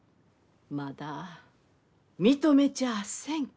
まだ認めちゃあせんき。